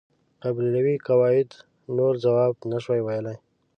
قبیلوي قواعد نور ځواب نشوای ویلای.